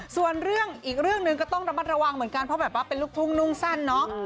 ส่วนเรื่องอีกเรื่องหนึ่งก็ต้องระมัดระวังเหมือนกันเพราะแบบว่าเป็นลูกทุ่งนุ่งสั้นเนาะ